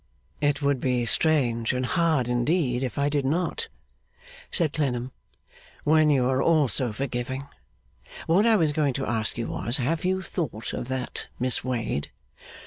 'It would be strange and hard indeed if I did not,' said Clennam, 'when you are all so forgiving. What I was going to ask you was, have you thought of that Miss Wade?